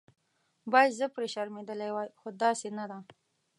باید زه پرې شرمېدلې وای خو داسې نه ده.